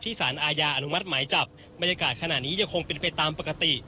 สารอาญาอนุมัติหมายจับบรรยากาศขณะนี้ยังคงเป็นไปตามปกติ